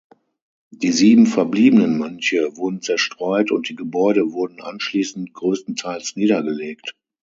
Die sieben verbliebenen Mönche wurden zerstreut, und die Gebäude wurden anschließend größtenteils niedergelegt.